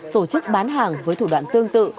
tổ chức bán hàng với thủ đoạn tương tự